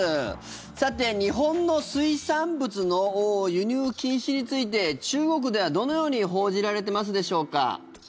日本の水産物の輸入禁止について中国ではどのように報じられてますでしょうか？